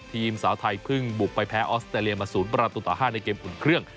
สาวไทยเพิ่งบุกไปแพ้ออสเตรเลียมา๐ประตูต่อ๕ในเกมอุ่นเครื่อง